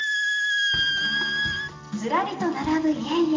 ずらりと並ぶ家々。